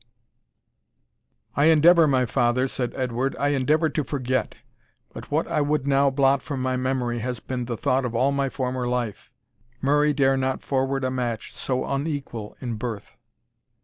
"I endeavour, my father," said Edward, "I endeavour to forget; but what I would now blot from my memory has been the thought of all my former life Murray dare not forward a match so unequal in birth."